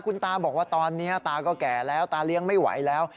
คุณตาบอกว่าตอนนี้ตาก็แก่แล้วตาเลี้ยงไม่ไหวแล้ว